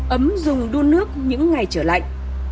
ấm dùng đun nước những ngày trở lạnh